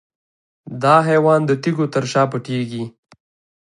دا حیوان د تیږو تر شا پټیږي.